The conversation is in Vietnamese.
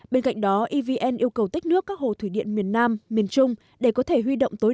bên cạnh đó evn yêu cầu tích nước các hồ thủy điện miền nam miền trung để có thể huy động tối